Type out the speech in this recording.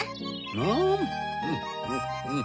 うん！